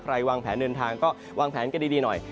วางแผนเดินทางก็วางแผนกันดีหน่อย